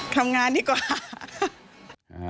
ทำงานดีกว่า